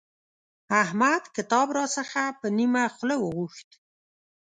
احمد کتاب راڅخه په نيمه خوله وغوښت.